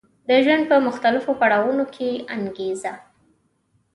د ژوند په مختلفو پړاوونو کې انګېزه